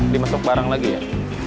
dimasuk barang lagi ya